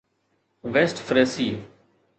west فريسي